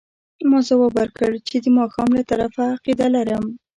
ما ځواب ورکړ چې د ماښام له طرفه عقیده لرم.